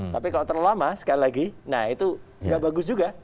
tapi kalau terlalu lama sekali lagi nah itu nggak bagus juga